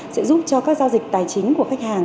sẽ giúp cho các giao dịch tài chính của khách hàng